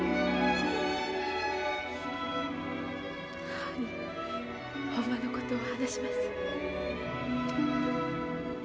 母にほんまのことを話します。